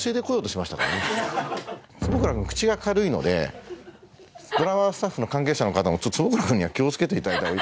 坪倉君口が軽いのでドラマスタッフの関係者の方も坪倉君には気を付けていただいたほうが。